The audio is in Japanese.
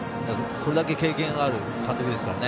これだけ経験がある監督ですからね。